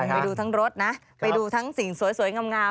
ไปดูทั้งรถทั้งสีสวยง่ำ